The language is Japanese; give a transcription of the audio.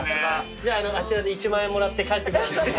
じゃああのうあちらで１万円もらって帰ってください。